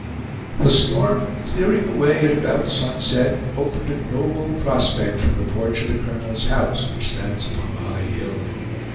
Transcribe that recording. The storm, clearing away at about sunset, opened a noble prospect from the porch of the colonel's house, which stands upon a high hill.